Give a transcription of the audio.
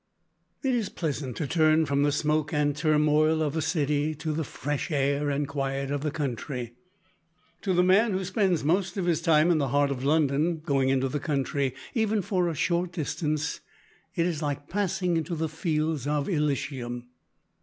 It is pleasant to turn from the smoke and turmoil of the city to the fresh air and quiet of the country. To the man who spends most of his time in the heart of London, going into the country even for a short distance is like passing into the fields of Elysium.